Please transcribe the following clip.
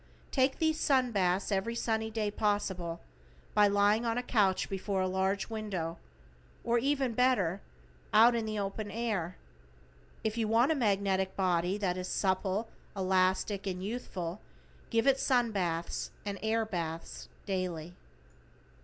Take these sun baths every sunny day possible by lying on a couch before a large window, or even better, out in the open air. If you want a magnetic body that is supple, elastic and youthful give it sun baths and air baths daily.